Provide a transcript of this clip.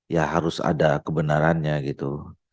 ya harus ada kebenarannya gitu